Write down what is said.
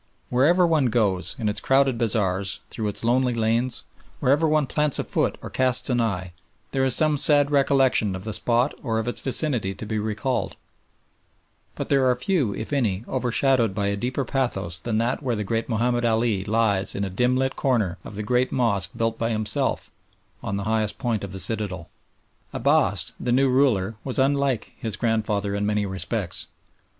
Wherever one goes, in its crowded bazaars, through its lonely lanes, wherever one plants a foot or casts an eye, there is some sad recollection of the spot or of its vicinity to be recalled, but there are few, if any, overshadowed by a deeper pathos than that where the great Mahomed Ali lies in a dimly lit corner of the great mosque built by himself, on the highest point of the citadel. Abbass, the new ruler, was unlike his grandfather in many respects.